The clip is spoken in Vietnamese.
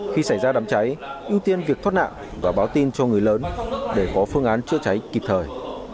khi xảy ra đám cháy ưu tiên việc thoát nạn và báo tin cho người lớn để có phương án chữa cháy kịp thời